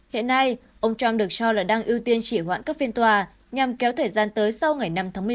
hiện nay ông trump được cho là đang ưu tiên chỉ hoãn các phiên tòa nhằm kéo thời gian tới sau ngày năm tháng một mươi một